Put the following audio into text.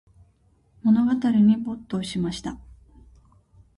物語に没頭しました。